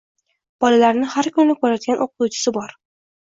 Bolalarni har kuni ko‘radigan o‘qituvchisi bor.